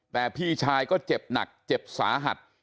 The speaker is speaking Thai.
แต่พี่ชายก็เจ็บหนักเจ็บสาหัส